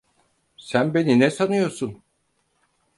Sen beni ne sanıyorsun?